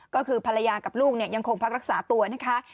ก็คือภรรยากับลูกยังคงพักรักษาตัวนะคะ